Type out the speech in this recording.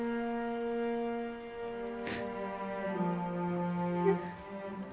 ごめんね。